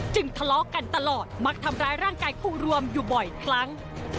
ทะเลาะกันตลอดมักทำร้ายร่างกายครูรวมอยู่บ่อยครั้ง